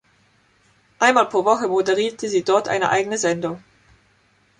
Einmal pro Woche moderierte sie dort eine eigene Sendung.